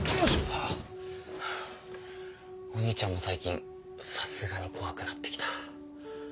お兄ちゃんも最近さすがに怖くなって来た。